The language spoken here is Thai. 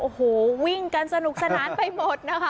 โอ้โหวิ่งกันสนุกสนานไปหมดนะคะ